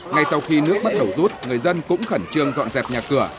ngay sau khi nước bắt đầu rút người dân cũng khẩn trương dọn dẹp nhà cửa